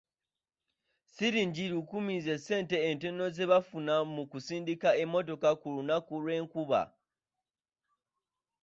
Siringi lukumu ze ssente entono ze bafuna mu kusindika emmotoka ku lunaku lw'enkuba.